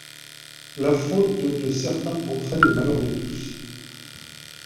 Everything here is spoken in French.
La faute de certains entraîne le malheur de tous.